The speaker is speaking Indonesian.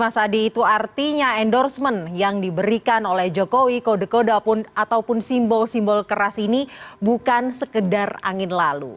mas adi itu artinya endorsement yang diberikan oleh jokowi kode kode ataupun simbol simbol keras ini bukan sekedar angin lalu